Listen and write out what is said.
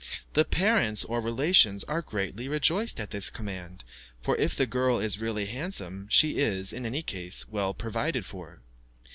The parents or relations are greatly rejoiced at this command, for if the girl is really handsome, she is, in any case, well provided for.